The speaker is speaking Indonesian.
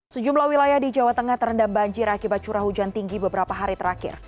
sejumlah wilayah di jawa tengah terendam banjir akibat curah hujan tinggi beberapa hari terakhir